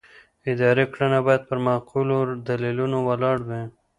اداري کړنه باید پر معقولو دلیلونو ولاړه وي.